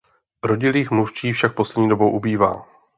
Rodilých mluvčí však poslední dobou ubývá.